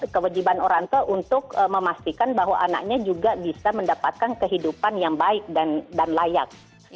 kewajiban orang tua untuk memastikan bahwa anaknya juga bisa mendapatkan kehidupan yang baik dan layak